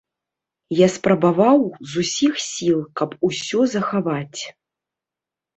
Я спрабаваў з усіх сіл, каб усё захаваць.